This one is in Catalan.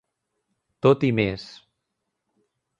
Tot i més.